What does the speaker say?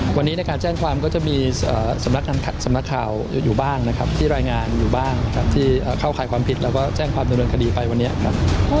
วันนี้ในการแจ้งความก็จะมีสำนักข่าวอยู่บ้างนะครับที่รายงานอยู่บ้างครับที่เข้าข่ายความผิดแล้วก็แจ้งความดำเนินคดีไปวันนี้ครับ